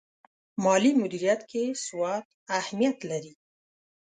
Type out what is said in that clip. مالي مدیریت کې سواد اهمیت لري.